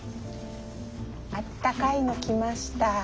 あったかいの来ました。